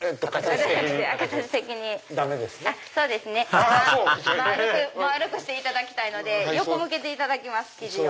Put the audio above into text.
ハハハハ丸くしていただきたいので横向けていただきます生地を。